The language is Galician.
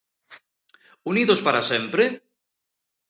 Unidos para sempre?